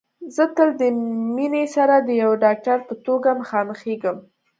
زه تل د مينې سره د يوه ډاکټر په توګه مخامخېږم